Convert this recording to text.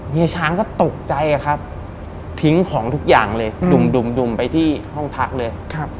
เฮีช้างก็ตกใจครับทิ้งของทุกอย่างเลยดุ่มไปที่ห้องพักเลย